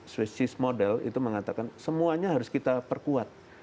swiss model itu mengatakan semuanya harus kita perkuat